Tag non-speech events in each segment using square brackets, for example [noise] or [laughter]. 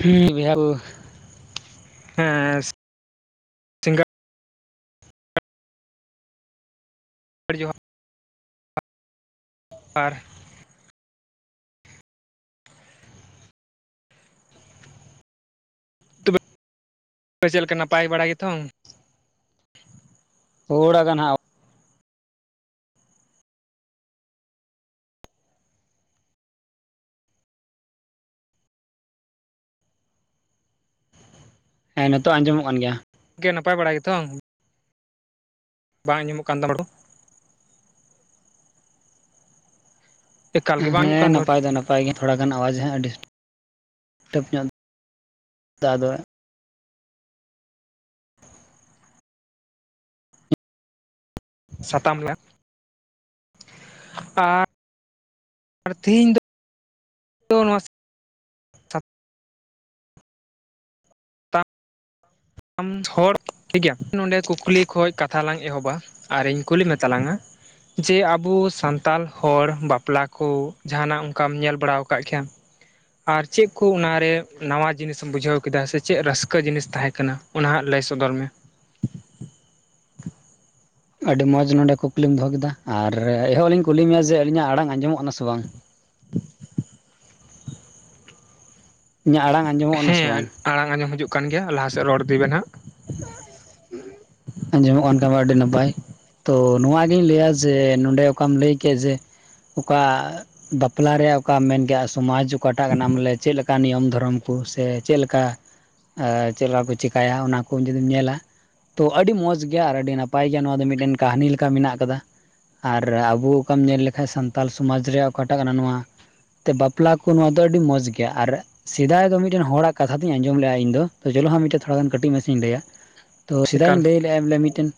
ᱦᱩᱸ [unintelligible] ᱦᱮᱸ [unintelligible] [unintelligible] ᱟᱨ ᱛᱚᱵᱮ [unintelligible] ᱪᱮᱫ ᱞᱮᱠᱟ ᱱᱟᱯᱟᱭ ᱵᱟᱲᱟᱭ ᱜᱮᱛᱚ? [unintelligible] ᱦᱮᱸ ᱱᱤᱛᱚᱜ ᱟᱸᱡᱚᱢᱚᱜ ᱠᱟᱱ ᱜᱮᱭᱟ᱾ ᱜᱮ ᱱᱟᱯᱟᱭ ᱵᱟᱲᱟ ᱜᱮᱛᱷᱚᱝ? ᱵᱟᱝ ᱧᱟᱢᱚᱜ ᱠᱟᱱ [unintelligible] ᱮᱠᱟᱞ ᱜᱮ ᱵᱟᱝ ᱟᱸᱡᱚᱢᱚᱜ ᱦᱮᱸ ᱠᱟᱱ ᱨᱚᱲ ᱱᱟᱯᱟᱭ ᱫᱚ ᱱᱟᱯᱟᱭ ᱱᱟᱯᱟᱭ ᱜᱮ ᱛᱷᱚᱲᱟ ᱜᱟᱱ ᱟᱣᱟᱡ [inaudible] ᱥᱟᱛᱟᱢ ᱨᱮᱭᱟᱜ ᱟᱨ [unintelligible] ᱛᱮᱦᱤᱧ [unintelligible] ᱫᱚ [unintelligible] ᱟᱢ ᱛᱷᱚᱲ ᱴᱷᱤᱠᱜᱮᱭᱟ ᱱᱚᱰᱮ ᱠᱩᱠᱞᱤ ᱠᱷᱚᱡ ᱠᱟᱛᱷᱟ ᱞᱟᱝ ᱮᱦᱚᱵᱟ ᱟᱨᱤᱧ ᱠᱩᱞᱤ ᱢᱮ ᱛᱟᱞᱟᱝᱟ᱾ ᱡᱮ ᱟᱵᱚ ᱥᱟᱱᱛᱟᱞ ᱦᱚᱲ ᱵᱟᱯᱞᱟ ᱠᱩ ᱡᱟᱦᱟᱱᱟᱜ ᱚᱱᱠᱟᱢ ᱧᱮᱞ ᱵᱟᱲᱟᱣ ᱟᱠᱟᱫ ᱠᱷᱮᱭᱟ ᱟᱨ ᱪᱮᱫ ᱠᱩ ᱚᱱᱟᱨᱮ ᱱᱟᱣᱟ ᱡᱤᱱᱤᱥ ᱵᱩᱡᱷᱟᱹᱣ ᱠᱮᱫᱟ ᱥᱮ ᱪᱮᱫ ᱨᱟᱹᱥᱠᱟᱹ ᱡᱤᱱᱤᱥ ᱛᱟᱦᱮᱸ ᱠᱟᱱᱟ? ᱚᱱᱟ ᱦᱟᱜ ᱞᱟᱹᱭ ᱥᱚᱫᱚᱨ ᱢᱮ᱾ ᱟᱹᱰᱤ ᱢᱚᱡᱽ ᱱᱚᱰᱮ ᱠᱩᱠᱞᱤᱢ ᱫᱚᱦᱚ ᱠᱮᱫᱟ ᱟᱨ ᱮᱦᱚᱵ ᱞᱤᱧ ᱠᱩᱞᱤ ᱢᱮᱭᱟ ᱡᱮ ᱟᱹᱞᱤᱧᱟᱜ ᱟᱲᱟᱝ ᱟᱸᱡᱚᱢᱚᱜᱱᱟ ᱥᱮ ᱵᱟᱝ? [unintelligible] ᱤᱧᱟᱹᱜ ᱟᱲᱟᱝ ᱟᱸᱡᱚᱢᱚᱜ ᱠᱟᱱᱟ ᱥᱮ ᱵᱟᱝ? ᱦᱮᱸ ᱟᱲᱟᱝ ᱟᱸᱚᱢ ᱦᱤᱡᱩᱜ ᱠᱟᱱ ᱜᱮᱭᱟ ᱞᱟᱦᱟ ᱥᱮᱫ ᱨᱚᱲ ᱫᱤᱵᱱ ᱱᱟᱦᱟᱜ ᱾ ᱟᱸᱡᱚᱢᱚᱜ ᱠᱟᱱ ᱛᱟᱢᱟ ᱟᱹᱰᱤ ᱱᱟᱯᱟᱭ ᱾ ᱛᱚ ᱱᱚᱣᱟᱜᱤᱧ ᱞᱟᱹᱭᱟ ᱡᱮ ᱱᱚᱰᱮ ᱚᱠᱟᱢ ᱞᱟᱹᱭ ᱠᱮᱫ ᱡᱮ? ᱚᱠᱟ ᱵᱟᱯᱞᱟ ᱨᱮᱭᱟᱜ ᱚᱠᱟᱢ ᱢᱮᱱᱠᱮ ᱥᱚᱢᱟᱡ ᱚᱠᱟᱴᱟᱜ ᱠᱟᱱᱟᱢ ᱵᱚᱞᱮ ᱪᱮᱫᱞᱮᱠᱟ! ᱱᱤᱭᱚᱢ ᱫᱷᱚᱨᱚᱢ ᱠᱚ ᱥᱮ ᱪᱮᱫ ᱞᱮᱠᱟ ᱪᱮᱫ ᱞᱮᱠᱟ ᱠᱚ ᱪᱮᱤᱠᱟᱭᱟ ᱚᱱᱟ ᱾ ᱡᱩᱫᱤᱢ ᱧᱮᱞᱟ ᱛᱚ ᱟᱹᱰᱤ ᱢᱚᱸᱡᱽ ᱜᱮᱭᱟ ᱟᱨ ᱟᱹᱰᱤ ᱱᱟᱯᱟᱭ ᱜᱮᱭᱟ ᱱᱚᱣᱟ ᱫᱚ ᱢᱤᱫᱴᱮᱱ ᱠᱟᱦᱱᱤ ᱞᱮᱠᱟ ᱢᱮᱱᱟᱜ ᱟᱠᱟᱫᱟ ᱾ ᱟᱨ ᱟᱵᱚ ᱚᱠᱟᱢ ᱧᱮᱞ ᱞᱮᱠᱷᱟᱱ ᱥᱟᱱᱛᱟᱲ ᱥᱚᱢᱟᱡᱽ ᱨᱮᱭᱟᱜ ᱚᱠᱟᱴᱟᱜ ᱠᱟᱱᱟ ᱱᱚᱣᱟ, ᱛᱮ ᱵᱟᱯᱞᱟ ᱠᱚ ᱱᱚᱣᱟ ᱫᱚ ᱟᱹᱰᱤ ᱢᱚᱸᱡᱽ ᱜᱮᱭᱟ ᱟᱨ, ᱥᱮᱫᱟᱭ ᱫᱚ ᱢᱤᱫᱴᱮᱱ ᱦᱚᱲᱟᱜ ᱠᱟᱛᱷᱟᱧ ᱟᱸᱡᱚᱢ ᱞᱮᱜᱼᱟ ᱤᱧᱫᱚ ᱪᱚᱞᱚ ᱦᱟᱸ ᱛᱷᱚᱲᱟᱜᱟᱱ ᱠᱟᱹᱴᱤᱡ [unintelligible] ᱞᱟᱹᱭᱟ ᱛᱚ ᱥᱮᱫᱟᱭ ᱮᱠᱟᱞ ᱤᱧ ᱞᱟᱹᱭ ᱞᱮᱫᱼᱟ ᱵᱚᱞᱮ ᱢᱤᱫᱴᱮᱱ,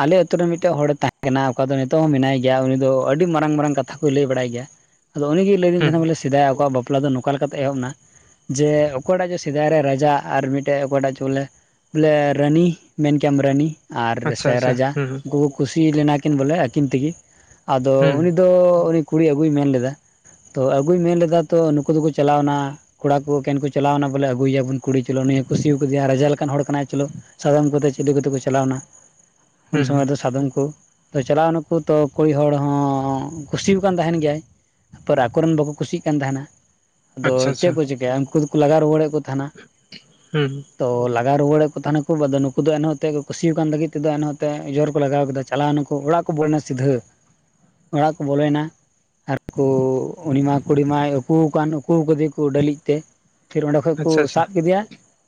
ᱟᱞᱮ ᱟᱛᱩᱨ ᱨᱮ ᱢᱤᱫᱴᱮᱡ ᱦᱚᱲᱮ ᱛᱟᱦᱮᱸ ᱠᱟᱱᱟ, ᱚᱠᱟ ᱫᱚ ᱱᱤᱛᱚᱜ ᱦᱚᱸ ᱢᱮᱱᱟᱭ ᱜᱮᱭᱟ, ᱩᱱᱤ ᱫᱚ ᱟᱹᱰᱤ ᱢᱟᱨᱟᱝ ᱢᱟᱨᱟᱝ ᱠᱟᱛᱷᱟ ᱠᱚᱭ ᱞᱟᱹᱭ ᱵᱟᱲᱟᱭ ᱜᱮᱭᱟ ᱾ ᱟᱫᱚ ᱩᱱᱤᱜᱮᱭ ᱞᱟᱹᱭᱫᱤᱧ ᱦᱩᱸ ᱦᱩᱸ ᱛᱟᱦᱮᱱᱟ, ᱵᱚᱞᱮ ᱥᱮᱫᱟᱭ ᱟᱠᱚᱣᱟᱜ ᱵᱟᱯᱞᱟ ᱫᱚ ᱱᱚᱝᱠᱟ ᱞᱮᱠᱟᱛᱮ ᱮᱦᱚᱵ ᱮᱱᱟ ᱾ ᱡᱮ ᱚᱠᱚᱭᱴᱟᱜ ᱡᱮ ᱥᱮᱫᱟᱭ ᱨᱮ ᱨᱟᱡᱟ ᱟᱨ ᱢᱤᱫᱴᱮᱡ ᱚᱠᱟᱴᱟᱜ ᱵᱚᱞᱮ, ᱵᱚᱞᱮ ᱨᱟᱱᱤ ᱢᱮᱱ ᱠᱮᱭᱟᱢ ᱨᱟᱱᱤ ᱟᱨ ᱟᱪᱪᱷᱟ ᱥᱮ ᱟᱪᱪᱷᱟ ᱨᱟᱡᱟ ᱦᱩᱸ ᱩᱱᱠᱩ ᱠᱚ, ᱠᱩᱥᱤ ᱞᱮᱱᱟ ᱠᱤᱱ ᱵᱚᱞᱮ ᱟᱹᱠᱤᱱ ᱛᱮᱜᱮ, ᱟᱫᱚ ᱦᱩᱸ ᱦᱩᱸ ᱩᱱᱤ ᱫᱚ ᱩᱱᱤ ᱠᱩᱲᱤ ᱟᱹᱜᱩᱭ ᱢᱮᱱ ᱞᱮᱫᱟ ᱾ ᱛᱚ ᱟᱹᱜᱩᱭ ᱢᱮᱱ ᱞᱮᱫᱟ ᱛᱚ ᱱᱩᱠᱩ ᱫᱚᱠᱚ ᱪᱟᱞᱟᱣ ᱮᱱᱟ, ᱠᱚᱲᱟ ᱠᱚ ᱮᱠᱮᱱ ᱠᱚ ᱪᱟᱞᱟᱣᱱᱟ ᱵᱚᱞᱮ ᱟᱹᱜᱩᱭᱟᱵᱚᱱ ᱾ ᱠᱩᱲᱤ ᱪᱚᱞᱚ ᱩᱱᱤᱭᱮ ᱠᱩᱥᱤ ᱠᱟᱫᱮᱭᱟ ᱨᱟᱡᱟ ᱞᱮᱠᱟᱱ ᱦᱚᱲ ᱠᱟᱱᱟᱭ ᱪᱚᱞᱚ ᱥᱟᱫᱚᱢ ᱠᱚᱛᱮ ᱪᱮᱫᱤ ᱠᱟᱛᱮ ᱠᱚ ᱪᱟᱞᱟᱣᱱᱟ ᱾ ᱩᱱ ᱦᱩᱸ ᱦᱩᱸ ᱥᱚᱢᱚᱭ ᱫᱚ ᱥᱟᱫᱚᱢ ᱠᱚ! ᱛᱚ ᱪᱟᱞᱟᱣ ᱱᱩᱠᱚ ᱛᱚ ᱠᱩᱲᱤ ᱦᱚᱲ ᱦᱚᱸ ᱠᱩᱥᱤᱣᱟᱠᱟᱱ ᱛᱟᱦᱮᱱ ᱜᱮᱭᱟᱭ ᱾ ᱛᱟᱨᱯᱚᱨ ᱟᱠᱚᱨᱮᱱ ᱵᱟᱠᱚ ᱠᱩᱥᱤᱜ ᱠᱟᱱ ᱛᱟᱦᱮᱱᱟ ᱾ ᱟᱫᱚ ᱟᱪᱪᱷᱟ ᱟᱪᱪᱷᱟ ᱪᱮᱫ ᱦᱩᱸ ᱠᱚ ᱪᱤᱠᱟᱹᱭᱟ ᱩᱱᱠᱩ ᱫᱚᱠᱚ ᱞᱟᱜᱟ ᱨᱩᱣᱟᱹᱲᱮᱫ ᱠᱚ ᱛᱟᱦᱮᱱᱟ, ᱦᱩᱸ ᱛᱚ ᱞᱟᱜᱟ ᱨᱩᱣᱟᱹᱲᱮᱫ ᱛᱟᱦᱮᱱᱟᱠᱚ ᱟᱫᱚ ᱱᱩᱠᱩ ᱫᱚ ᱮᱱᱦᱚᱛ ᱛᱮ ᱠᱩᱥᱤᱣᱟ ᱠᱟᱱᱟᱱ ᱞᱟᱹᱜᱤᱫ ᱛᱚ ᱮᱱᱦᱚᱛᱮ ᱡᱨ ᱠᱚ ᱞᱟᱜᱟᱣ ᱠᱮᱫᱟ ᱪᱟᱞᱟᱣᱱᱟᱠᱩ ᱚᱲᱟᱜ ᱾ ᱠᱚ ᱵᱚᱞᱚᱭᱮᱱᱟ ᱥᱤᱫᱷᱟᱹ ᱚᱲᱟᱜ ᱠᱚ ᱵᱚᱞᱚᱭᱮᱱᱟ ᱾ ᱟᱨᱠᱩ ᱩᱱᱤ ᱢᱟ ᱠᱩᱲᱤ ᱢᱟᱭ ᱩᱠᱩ ᱟᱠᱟᱱ ᱩᱠᱩ ᱟᱠᱟᱫᱮᱭᱟ ᱠᱚ ᱰᱟᱹᱞᱤᱡ ᱛᱮ ᱾ ᱯᱷᱤᱨ ᱚᱸᱰᱮ ᱠᱷᱚᱱᱚᱡ ᱠᱚ ᱟᱪᱪᱷᱟ ᱟᱪᱪᱷᱟ ᱥᱟᱵ ᱠᱮᱫᱮᱭᱟ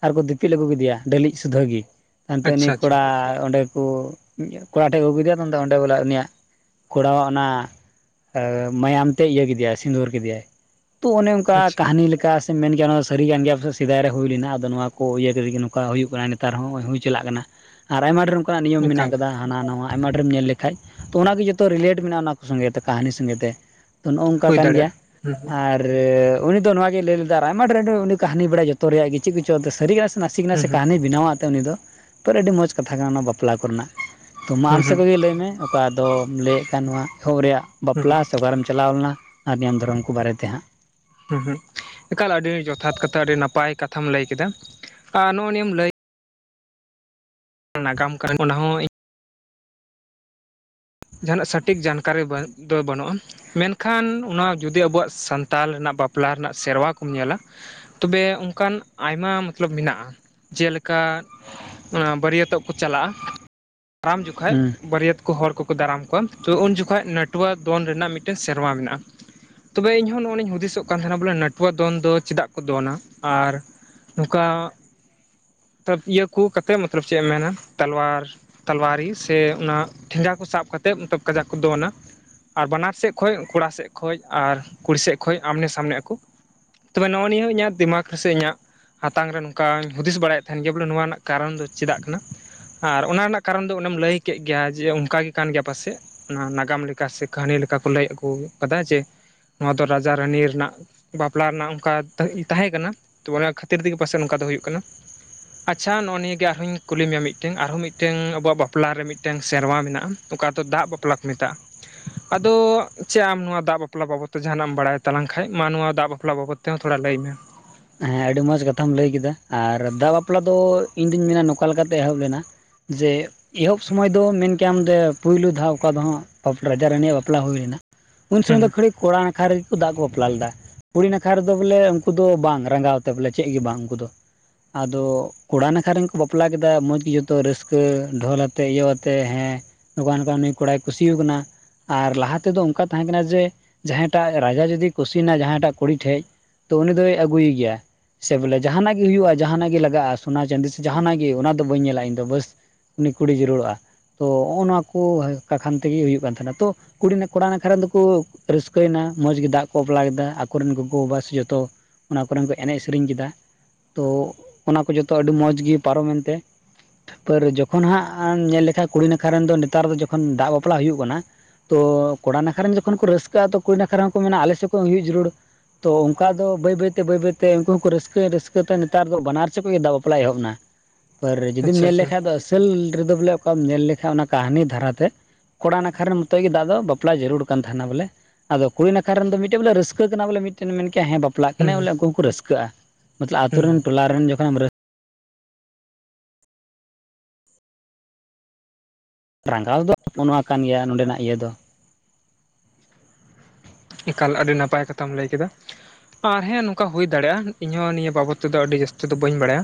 ᱟᱨ ᱠᱚ ᱫᱤᱯᱤᱞ ᱟᱹᱜᱩ ᱠᱮᱫᱮᱭᱟ ᱰᱮᱞᱤᱡ ᱥᱩᱫᱷᱟᱹᱜᱤ ᱾ ᱛᱟᱭᱚᱢᱛᱮ ᱩᱱᱤ ᱟᱪᱪᱷᱟ ᱟᱪᱪᱷᱟ ᱠᱚᱲᱟ ᱚᱸᱰᱮ ᱠᱚ ᱠᱚᱲᱟ ᱴᱷᱮᱱ ᱠᱚ ᱟᱹᱜᱩᱠᱮᱫᱮᱭᱟ ᱚᱸᱰᱮ ᱵᱚᱞᱮ ᱩᱱᱤᱭᱟᱜ ᱠᱚᱲᱟᱣᱟᱜ ᱚᱱᱟ ᱢᱟᱭᱟᱢ ᱛᱮ ᱤᱭᱟᱹ ᱠᱮᱫᱮᱭᱟᱭ ᱥᱤᱸᱫᱩᱨ ᱠᱮᱫᱮᱭᱟᱭ ᱾ ᱛᱚ ᱚᱱᱮ ᱚᱱᱠᱟ ᱟᱪᱪᱷᱟ ᱠᱟᱹᱦᱱᱤ ᱞᱮᱠᱟ ᱥᱮ ᱢᱮᱱ ᱜᱮᱭᱟ ᱚᱱᱟ ᱫᱚ ᱥᱟᱹᱨᱤ ᱠᱟᱱ ᱜᱮᱭᱟ ᱥᱮ ᱥᱮᱫᱟᱭ ᱨᱮ ᱦᱩᱭ ᱞᱮᱱᱟ ᱟᱫᱚ ᱱᱚᱣᱟ ᱠᱚ ᱤᱭᱟᱹ ᱠᱟᱛᱮ ᱜᱮ ᱾ ᱠᱟ ᱦᱩᱭᱩᱜ ᱠᱟᱱᱟ ᱱᱮᱛᱟᱨ ᱦᱚᱸ ᱱᱚᱜᱚᱭ ᱦᱩᱭ ᱪᱟᱞᱟᱜ ᱠᱟᱱᱟ ᱟᱨ ᱟᱭᱢᱟ ᱰᱷᱮᱨ ᱚᱱᱠᱟᱱᱟᱜ ᱱᱤᱭᱚᱢ ᱢᱮᱱᱟᱜ ᱮᱠᱟᱞ ᱟᱠᱟᱫᱟ ᱾ ᱦᱟᱱᱟ ᱱᱟᱣᱟ ᱟᱭᱢᱟ ᱰᱷᱮᱨᱮᱢ ᱧᱮᱞ ᱞᱮᱠᱷᱟᱡ ᱛᱚ ᱚᱱᱟᱜᱮ ᱡᱚᱛᱚ ᱨᱤᱞᱮᱴ ᱢᱮᱱᱟᱜᱼᱟ ᱚᱱᱟ ᱠᱚ ᱥᱚᱸᱜᱮ ᱛᱮ ᱠᱟᱹᱦᱱᱤ ᱥᱚᱸᱜᱮᱛᱮ ᱾ ᱛᱚ ᱱᱚᱚᱜᱝᱠᱟ ᱦᱩᱭ ᱠᱟᱱ ᱜᱮᱭᱟ ᱫᱟᱲᱮᱭᱟᱜᱼᱟ ᱦᱩᱸ ᱟᱨ ᱟᱨ ᱩᱱᱤ ᱫᱚ ᱱᱚᱣᱟ ᱜᱮᱭ ᱞᱟᱹᱭ ᱞᱮᱫᱟ ᱟᱭᱢᱟ ᱰᱷᱮᱨ ᱨᱮ ᱩᱱᱤ ᱠᱚ ᱠᱟᱦᱱᱤ ᱵᱟᱲᱟᱭ ᱡᱚᱛᱚ ᱨᱮᱭᱟᱜ ᱜᱮ ᱪᱮᱫ ᱠᱚᱪᱚᱝ ᱥᱟᱹᱨᱤ ᱠᱟᱱᱟ ᱥᱮ ᱱᱟᱥᱮ ᱦᱩᱸ ᱥᱮ ᱾ ᱵᱮᱱᱟᱣᱟ ᱩᱱᱤ ᱫᱚ ᱟᱹᱰᱤ ᱢᱚᱡᱽ ᱠᱟᱛᱷᱟ ᱠᱟᱱᱟ ᱚᱱᱟ ᱵᱟᱯᱞᱟ ᱠᱚᱨᱮᱱᱟᱜ ᱛᱚ ᱢᱟ ᱦᱩᱸ ᱟᱢ ᱦᱩᱸ ᱥᱮᱫ ᱦᱩᱸ ᱠᱷᱚᱱᱜᱮ ᱞᱟᱹᱭᱢᱮ? ᱚᱠᱟ ᱫᱚᱢ ᱞᱟᱹᱭᱮᱫ ᱠᱟᱱ ᱱᱚᱣᱟ ᱮᱦᱚᱵ ᱨᱮᱭᱟᱜ ᱦᱩᱸ ᱦᱩᱸ ᱵᱟᱯᱞᱟ ᱥᱮ ᱚᱠᱟᱨᱮᱢ ᱪᱟᱞᱟᱣ ᱞᱮᱱᱟ ᱟᱨ ᱱᱤᱭᱚᱢ ᱫᱷᱚᱨᱚᱢ ᱠᱚ ᱵᱟᱨᱮᱛᱮ ᱦᱟᱸᱜ ᱾ ᱦᱩᱸ ᱦᱩᱸ ᱮᱠᱟᱞ ᱟᱹᱰᱤ ᱡᱚᱛᱷᱟᱛ ᱠᱟᱛᱷᱟ ᱟᱹᱰᱤ ᱱᱟᱯᱟᱭ ᱠᱟᱛᱷᱟᱢ ᱞᱟᱹᱭ ᱠᱮᱫᱟ ᱟᱨ ᱱᱚᱜ ᱚ ᱱᱤᱭᱟᱹᱢ ᱞᱟᱹᱭ ᱱᱟᱜᱟᱢ ᱠᱟᱱᱟ ᱚᱱᱟ ᱦᱚᱸ ᱤᱧ ᱡᱟᱦᱟᱱᱟᱜ ᱥᱚᱴᱷᱤᱠ ᱡᱟᱱᱠᱟᱨᱤ ᱫᱚ ᱵᱟᱹᱱᱩᱜᱼᱟ ᱾ ᱢᱮᱱᱠᱷᱟᱱ ᱚᱱᱟ ᱡᱩᱚᱫᱤ ᱟᱵᱚᱣᱟᱜ ᱥᱟᱱᱛᱟᱞ ᱨᱮᱱᱟᱜ ᱵᱟᱯᱞᱟ ᱨᱮᱱᱟᱜ ᱥᱮᱨᱣᱟ ᱠᱚᱢ ᱧᱮᱞᱟ, ᱛᱚᱵᱮ ᱚᱱᱠᱟᱱ ᱟᱭᱢᱟ ᱢᱚᱛᱞᱚᱵ ᱢᱮᱱᱟᱜᱼᱟ ᱡᱮᱞᱮᱠᱟ, ᱚᱱᱟ ᱵᱟᱹᱭᱨᱟᱹᱛᱚᱜ ᱠᱚ ᱪᱟᱞᱟᱜᱼᱟ [unintelligible] ᱡᱚᱠᱷᱟ ᱦᱩᱸ ᱵᱟᱹᱭᱨᱟᱹᱛᱚ ᱦᱚᱲ ᱠᱚᱠᱚ ᱫᱟᱨᱟᱢ ᱠᱚᱣᱟ, ᱛᱚ ᱩᱱ ᱡᱚᱠᱷᱚᱱ ᱱᱟᱹᱴᱩᱣᱟ ᱫᱚᱱ ᱨᱮᱱᱟᱜ ᱢᱤᱫᱴᱮᱱ ᱥᱮᱨᱣᱟ ᱢᱮᱱᱟᱜᱼᱟ ᱾ ᱛᱚᱵᱮ ᱤᱧᱦᱸᱱᱚᱜᱼᱤᱧ ᱦᱩᱫᱤᱥᱚᱜ ᱠᱟᱱ ᱛᱟᱦᱮᱱᱟ ᱵᱚᱞᱮ ᱱᱟᱹᱴᱩᱣᱟᱜ ᱫᱚᱱ ᱫᱚ ᱪᱮᱫᱟᱜ ᱠᱚ ᱫᱚᱱᱟ ᱟᱨ, ᱱᱚᱝᱠᱟᱚᱵ ᱤᱭᱟᱹᱠᱩ ᱠᱟᱛᱮᱫ ᱢᱚᱛᱞᱚᱵ ᱪᱮᱫ ᱮᱢ ᱢᱮᱱᱟ ᱛᱟᱞᱣᱟᱨ, ᱛᱟᱞᱣᱟᱨᱤ ᱥᱮ ᱚᱱᱟ ᱴᱷᱮᱸᱜᱟ ᱠᱚ ᱥᱟᱵ ᱠᱟᱛᱮᱫ ᱠᱟᱡᱟᱠ ᱠᱚ ᱫᱚᱱᱟ ᱾ ᱟᱨ ᱵᱟᱱᱟᱨ ᱥᱮᱫ ᱠᱷᱚᱡ ᱠᱚᱲᱟ ᱥᱮᱫ ᱠᱷᱚᱱ ᱟᱨ ᱠᱩᱲᱤ ᱥᱮᱫ ᱠᱷᱚᱱ ᱟᱢᱱᱮ ᱥᱟᱢᱱᱮ ᱠᱚ ᱾ ᱛᱚᱵᱮ ᱱᱚᱜᱼᱚᱭ ᱱᱤᱭᱟᱹ ᱦᱚᱸ ᱤᱟᱹᱜ ᱫᱤᱢᱟᱜ ᱨᱮ ᱥᱮ ᱤᱧᱟᱹᱜ, ᱦᱟᱛᱟᱝ ᱨᱮ ᱱᱚᱝᱠᱟᱧ ᱦᱩᱫᱤᱥ ᱵᱟᱲᱟᱭᱮᱫ ᱛᱟᱦᱮᱱ ᱜᱮᱭᱟ ᱵᱚᱞᱮ ᱱᱚᱣᱟ ᱨᱮᱱᱟᱜ ᱠᱟᱨᱚᱱ ᱫᱚ ᱪᱮᱫᱟᱜ ᱠᱟᱱᱟ ᱟᱨ ᱚᱱᱟ ᱨᱮᱱᱟᱜ! ᱠᱟᱨᱚᱱ ᱫᱚ ᱚᱱᱮᱢ ᱞᱟᱹᱭ ᱠᱮᱜ ᱜᱮᱭᱟ ᱡᱮ ᱚᱱᱠᱟ ᱜᱮ ᱠᱟᱱ ᱜᱮᱭᱟ ᱯᱟᱥᱮᱫ ᱚᱱᱟ ᱱᱟᱜᱟᱢ ᱞᱮᱠᱟ ᱥᱮ ᱠᱟᱹᱦᱱᱤ ᱞᱮᱠᱟ ᱠᱚ ᱞᱟᱹᱭ ᱟᱹᱜᱩ ᱟᱠᱟᱫᱟ ᱡᱮ ᱱᱚᱣᱟ ᱫᱚ ᱨᱟᱡᱟ ᱨᱟᱱᱤ ᱨᱮᱱᱟᱜ ᱵᱟᱯᱞᱟ ᱨᱮᱱᱟᱜ ᱚᱱᱠᱟ ᱛᱟᱦᱮᱸ ᱠᱟᱱᱟ ᱛᱚ ᱚᱱᱟ ᱠᱷᱟᱹᱛᱤᱨ ᱛᱮᱜᱮ ᱯᱟᱥᱮ ᱱᱚᱝᱠᱟ ᱫᱚ ᱦᱩᱭᱩᱜ ᱠᱟᱱᱟ ᱟᱪᱪᱷᱟ ᱱᱚᱜᱼᱚᱭ ᱱᱤᱭᱟ ᱜᱮ ᱟᱨᱦᱚᱸᱧ ᱠᱩᱞ ᱢᱮᱭᱟ ᱢᱤᱫᱴᱟᱝ ᱟᱨᱦᱚᱸ ᱢᱤᱫᱼ ᱢᱤᱫᱴᱟᱝ ᱟᱵᱚᱣᱟᱜ ᱵᱟᱯᱞᱟ ᱨᱮ ᱢᱤᱫᱴᱟᱝ ᱥᱮᱨᱣᱟ ᱢᱮᱱᱟᱜᱼᱟ ᱚᱠᱟ ᱫᱚ ᱫᱟᱜ ᱵᱟᱯᱞᱟ ᱠᱚ ᱢᱮᱛᱟᱜᱼᱟ ᱟᱫᱚ ᱪᱮᱫ ᱟᱢ ᱱᱚᱣᱟ ᱫᱟᱜ ᱵᱟᱯᱞᱟ ᱵᱟᱵᱚᱫ ᱛᱮ ᱡᱟᱦᱟᱸᱱᱟᱜ ᱮᱢ ᱵᱟᱲᱟᱭ ᱛᱟᱞᱟᱝ ᱠᱷᱟᱡ ᱢᱟ ᱱᱚᱣᱟ ᱫᱟᱜ ᱵᱟᱯᱞᱟ ᱵᱟᱵᱚᱛ ᱛᱮ ᱛᱮ ᱛᱷᱚᱲᱟ ᱞᱟᱹᱭ ᱢᱮ ᱦᱮᱸ ᱟᱹᱰᱤ ᱢᱚᱸᱡᱽ ᱠᱟᱛᱷᱟᱢ ᱞᱟᱹᱭ ᱠᱮᱫᱟ ᱟᱨ ᱫᱟᱜ ᱵᱟᱯᱞᱟ ᱫᱚ ᱤᱧ ᱫᱩᱧ ᱢᱮᱱᱟ ᱱᱚᱝᱠᱟ ᱞᱮᱠᱟᱛᱮ ᱮᱦᱚᱵ ᱞᱮᱱᱟ ᱡᱮ ᱮᱦᱚᱵ ᱥᱚᱢᱚᱭ ᱫᱚ ᱢᱮᱱ ᱠᱮᱭᱟᱢ ᱯᱳᱭᱞᱳ ᱫᱷᱟᱣ ᱚᱠᱟ ᱫᱚ ᱦᱟᱸᱜ ᱨᱟᱡᱟ ᱨᱟᱱᱤᱟᱜ ᱵᱟᱯᱞᱟ ᱦᱩᱭ ᱞᱮᱱᱟ, ᱩᱱ ᱦᱩᱸ ᱥᱚᱢᱚᱭ ᱫᱚ ᱦᱩᱸ ᱠᱷᱤ ᱠᱚᱲᱟ ᱱᱟᱠᱷᱟ ᱨᱮᱜᱮ ᱠᱚ ᱫᱟᱜ ᱠᱚ ᱵᱟᱯᱞᱟ ᱞᱮᱫᱟ ᱠᱩᱲᱤ ᱱᱟᱠᱷᱟ ᱨᱮᱫᱚ ᱵᱚᱞᱮ ᱩᱱᱠᱩ ᱫᱚ ᱵᱟᱝ᱾ ᱨᱟᱸᱜᱟᱣ ᱛᱮ ᱵᱚᱞᱮ ᱪᱮᱫ ᱜᱮ ᱵᱟᱝ ᱩᱱᱠᱩ ᱫᱚ ᱟᱫᱚ ᱠᱚᱲᱟ ᱱᱟᱠᱷᱟ ᱨᱮᱠᱚ ᱵᱟᱯᱞᱟ ᱠᱮᱫᱟ ᱢᱚᱸᱡᱽ ᱜᱮ ᱡᱚᱛᱚ ᱨᱟᱹᱥᱠᱟᱹ ᱰᱷᱚᱞ ᱟᱛᱮ ᱤᱭᱟᱹ ᱟᱛᱮ ᱦᱮᱸ ᱱᱚᱝᱠᱟ ᱱᱚᱝᱠᱟ ᱱᱩᱭ ᱠᱚᱲᱟᱭ ᱠᱩᱥᱤ ᱠᱟᱱᱟ ᱟᱨ ᱞᱟᱦᱟ ᱛᱮᱫᱚ ᱚᱱᱠᱟ ᱛᱟᱦᱮᱸ ᱠᱟᱱᱟ ᱡᱮ ᱡᱟᱦᱟᱸᱭᱴᱟᱜ ᱨᱟᱡᱟ ᱡᱩᱫᱤ ᱠᱩᱥᱤᱭ ᱱᱟ ᱡᱟᱦᱟᱸᱭᱴᱟᱜ ᱠᱩᱲᱤ ᱴᱷᱮᱡ ᱛᱚ ᱩᱱᱤ ᱫᱚᱭ ᱟᱹᱜᱩᱭ ᱜᱮᱭᱟ᱾ ᱥᱮ ᱵᱚᱞᱮ ᱡᱟᱦᱟᱸᱱᱟᱜ ᱜᱮ ᱦᱩᱭᱩᱜᱼᱟ ᱡᱟᱦᱟᱸᱱᱟᱜ ᱜᱮ ᱞᱟᱜᱟᱜᱼᱟ ᱥᱳᱱᱟ ᱪᱟᱫᱤ ᱥᱮ ᱡᱟᱦᱟᱸᱱᱟᱜ ᱜᱮ ᱚᱱᱟ ᱫᱚ ᱵᱟᱹᱧ ᱧᱮᱞᱟ ᱤᱧᱫᱚ ᱵᱟᱥ ᱩᱱᱤ ᱠᱩᱲᱤ ᱡᱟᱹᱨᱩᱲᱚᱜᱼᱟ ᱛᱚ ᱱᱚᱜᱼᱚᱭ ᱠᱩ ᱱᱚᱣᱟ ᱠᱟᱠᱷᱟᱱ ᱛᱮᱜᱮ ᱦᱩᱭᱩᱜ ᱠᱟᱱ ᱛᱟᱦᱮᱱᱟ ᱛᱚ ᱠᱩᱲᱤ ᱠᱚᱲᱟ ᱱᱟᱠᱷᱷᱟ ᱨᱮᱱ ᱫᱚᱠᱚ ᱨᱟᱹᱥᱠᱟᱹᱭᱮᱱᱟ ᱢᱚᱸᱡᱽ ᱜᱮ ᱫᱟᱜ ᱠᱚ ᱵᱟᱯᱞᱟ ᱠᱮᱫᱟ ᱟᱠᱚᱨᱮᱱ ᱜᱚᱜᱚ ᱵᱟᱵᱟ ᱥᱮ ᱡᱚᱛᱚ ᱚᱱᱟ ᱠᱚᱨᱮᱱ ᱠᱚ ᱮᱱᱮᱡ ᱥᱮᱨᱮᱧ ᱠᱮᱫᱟ ᱛᱚ ᱚᱱᱟ ᱠᱚ ᱡᱚᱛᱚ ᱟᱹᱰᱤ ᱢᱚᱸᱡᱽ ᱜᱮ ᱯᱟᱨᱚᱢᱮᱱ ᱛᱮ ᱯᱟᱨ ᱡᱚᱠᱷᱚᱱ ᱦᱟᱸᱜ ᱧᱮᱞ ᱞᱮᱠᱷᱟᱱ ᱠᱩᱲᱤ ᱱᱟᱠᱷᱟ ᱨᱮᱱ ᱫᱚ ᱱᱮᱛᱟᱨ ᱫᱚ ᱡᱚᱠᱷᱚᱱ ᱫᱟᱜ ᱵᱟᱯᱞᱟ ᱦᱩᱭᱩᱜ ᱠᱟᱱᱟ ᱛᱚ ᱠᱚᱲᱟ ᱱᱟᱠᱷᱟ ᱨᱮᱱ ᱡᱚᱠᱷᱚᱱ ᱠᱚ ᱨᱟᱹᱥᱠᱟᱹᱜᱼᱟ ᱛᱚ ᱠᱩᱲᱤ ᱱᱟᱠᱷᱟᱨᱟ ᱦᱚᱸ ᱠᱚ ᱢᱮᱱᱟ ᱟᱞᱮ ᱥᱮᱫ ᱠᱷᱚᱱ ᱦᱩᱭᱩᱜ ᱡᱟᱹᱨᱩᱲ᱾ ᱛᱚ ᱚᱱᱠᱟ ᱫᱚ ᱵᱟᱹᱭ ᱵᱟᱹᱭ ᱛᱮ ᱵᱟᱹᱭ ᱵᱟᱹᱭ ᱛᱮ ᱩᱱᱠᱩ ᱦᱚᱸᱠᱚ ᱨᱟᱹᱥᱠᱟᱹ ᱨᱟᱹᱥᱠᱟᱹᱛᱮ ᱱᱮᱛᱟᱨ ᱫᱚ ᱵᱟᱱᱟᱨ ᱪᱮᱫ ᱠᱷᱚᱱ ᱜᱮ ᱫᱟᱜ ᱵᱟᱯᱞᱟ ᱮᱦᱚᱵ ᱮᱱᱟ᱾ ᱡᱩᱫᱤᱢ ᱟᱪᱪᱷᱟ ᱧᱮᱞ ᱟᱪᱪᱷᱟ ᱞᱮᱠᱷᱟᱡ ᱫᱚ ᱟᱹᱥᱞ ᱨᱮᱫᱚ ᱵᱚᱞᱮ ᱚᱠᱟᱢ ᱧᱮᱞ ᱞᱮᱠᱷᱟᱡ ᱚᱱᱟ ᱠᱟᱹᱦᱱᱤ ᱫᱷᱟᱨᱟᱛᱮ ᱠᱚᱲᱟ ᱱᱟᱠᱷᱟ ᱨᱮᱱ ᱱᱚᱛᱮ ᱜᱮ ᱫᱟᱜ ᱫᱚ ᱵᱟᱯᱞᱟ ᱡᱟᱹᱨᱩᱲ ᱠᱟᱱ ᱛᱟᱦᱮᱱᱟ ᱵᱚᱞᱮ᱾ ᱟᱫᱚ ᱠᱩᱲᱤ ᱱᱟᱠᱷᱟ ᱨᱮᱱ ᱫᱚ ᱢᱤᱴᱮᱡ ᱵᱚᱞ ᱨᱟᱹᱥᱟᱹ ᱠᱟᱱᱟ ᱵᱚᱞ ᱢᱤᱴᱮᱱ ᱦᱮᱸ ᱵᱟᱯᱞᱟ ᱦᱩᱸ ᱦᱩᱸ ᱵᱚᱞᱮ ᱩᱱᱠᱩ ᱨᱟᱹᱥᱠᱟᱹᱜᱼᱟ ᱢᱚᱛᱚᱞ ᱟᱛᱩᱨ ᱨᱮᱱ ᱦᱩᱸ ᱴᱚᱞᱟ ᱨᱮᱱ ᱡᱚᱠᱷᱚᱱ ᱨᱟᱹᱥᱠᱟᱹᱼᱟ ᱨᱟᱸᱜᱟᱣ ᱫᱚ ᱱᱚᱣᱟ ᱠᱟᱱ ᱜᱮᱭᱟ ᱱᱚᱰᱮᱱᱟᱜ ᱤᱭᱟᱹ ᱫᱚ᱾ ᱮᱠᱟᱞ ᱟᱹᱰᱤ ᱱᱟᱯᱟᱭ ᱠᱟᱛᱷᱟᱢ ᱞᱟᱹᱭ ᱠᱮᱫᱟ᱾ ᱟᱨ ᱦᱮᱸ ᱱᱚᱝᱠᱟ ᱦᱩᱭ ᱫᱟᱲᱮᱭᱟᱜᱼᱟ ᱤᱧᱦᱚᱸ ᱱᱤᱭᱟᱹ ᱵᱟᱵᱚᱫ ᱛᱮᱫᱚ ᱟᱹᱰᱤ ᱡᱟᱹᱥᱛᱤ ᱫᱚ ᱵᱟᱹᱧ ᱵᱟᱰᱟᱭᱟ᱾